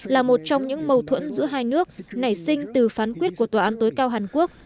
là một trong những mâu thuẫn giữa hai nước nảy sinh từ phán quyết của tòa án tối cao hàn quốc